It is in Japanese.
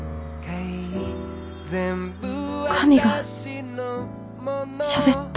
神がしゃべった